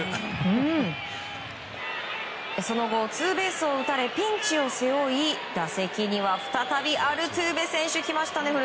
その後ツーベースを打たれピンチを背負い打席には再びアルトゥーベ選手です。